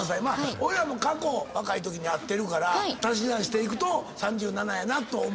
おいらも過去若いときに会ってるから足し算していくと３７やなと思うねんけど。